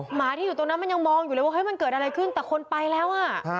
หมาที่อยู่ตรงนั้นมันยังมองอยู่เลยว่าเฮ้ยมันเกิดอะไรขึ้นแต่คนไปแล้วอ่ะ